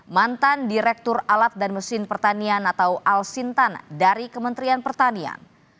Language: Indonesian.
mantan direktur alat dan mesin pertanian atau al sintan dari kementerian pertanian